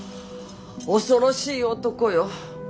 恐ろしい男よ。